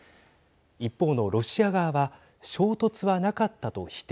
一方のロシア側は衝突はなかったと否定。